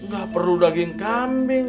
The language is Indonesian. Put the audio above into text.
gak perlu daging kambing